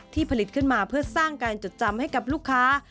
ผลิตขึ้นมาเพื่อสร้างการจดจำให้กับลูกค้า